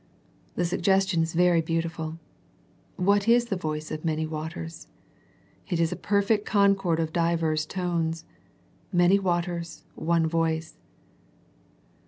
The suggestion is very beautiful. What is the voice of many waters ? It is a perfect con cord of divers tones; many waters, one voice.